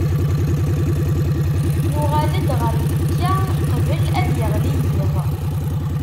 Nuɣal-d ɣer llekka qbel ad d-yeɣli yiḍ.